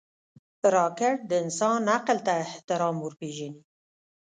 راکټ د انسان عقل ته احترام ورپېژني